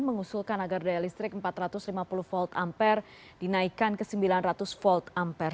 mengusulkan agar daya listrik empat ratus lima puluh volt ampere dinaikkan ke sembilan ratus volt ampere